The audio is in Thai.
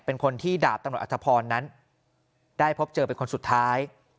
เป็นคนที่ดาบตำรวจอธพรนั้นได้พบเจอเป็นคนสุดท้าย